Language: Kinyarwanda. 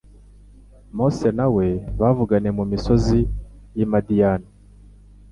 Mose nawe bavuganiye mu misozi y'i Midiani;